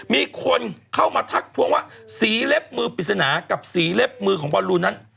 มีคนเข้ามาทักทวงว่าสีเล็บมือปริศนากับสีเล็บมือของบอลลูนนั้น